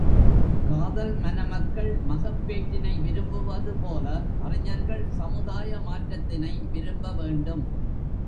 காதல் மனமக்கள் மகப்பேற்றினை விரும்புவதுபோல, அறிஞர்கள் சமுதாய மாற்றத்தினை விரும்ப வேண்டும்.